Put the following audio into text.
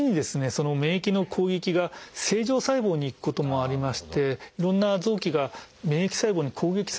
その免疫の攻撃が正常細胞にいくこともありましていろんな臓器が免疫細胞に攻撃されてしまうっていうことがあって。